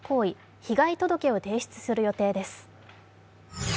被害届を提出する予定です。